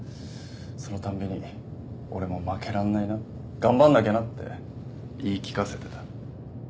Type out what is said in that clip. その度に俺も負けらんないな頑張んなきゃなって言い聞かせてた。